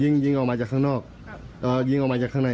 ยิงยิงออกมาจากข้างนอกยิงออกมาจากข้างใน